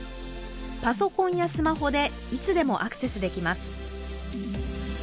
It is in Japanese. パソコンやスマホでいつでもアクセスできます。